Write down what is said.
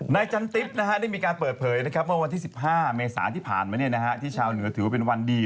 จันติ๊บได้มีการเปิดเผยเมื่อวันที่๑๕เมษาที่ผ่านมาที่ชาวเหนือถือว่าเป็นวันดี